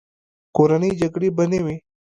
کورنۍ جګړې به نه وې.